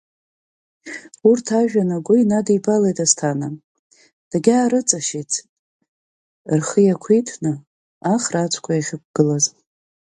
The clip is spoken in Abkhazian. Урҭ ажәҩан агәы инадибалеит Асҭана, дагьаарыҵашьыцит, рхы иақәиҭны ахра ацәқәа иахьықәгылаз.